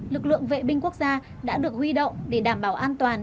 lực lượng vệ binh quốc gia đã được huy động để đảm bảo an toàn